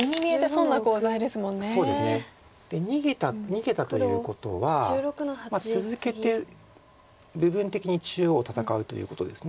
逃げたということは続けて部分的に中央戦うということです。